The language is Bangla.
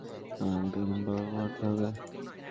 কেননা আমাকে এখন আরো বড় হতে হবে।